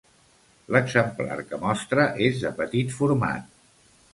L'exemplar que mostra és de petit format.